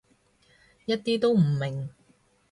一啲都唔明